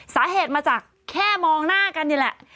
สาเหตุมาจากแค่มองหน้ากันนี่แหละ